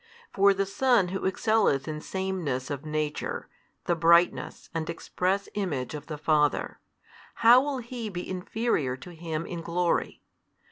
For the Son Who excelleth in sameness of Nature, the Brightness and express Image of the Father, how will He be inferior to Him in glory?